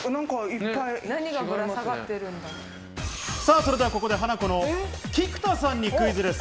それではここでハナコの菊田さんにクイズです。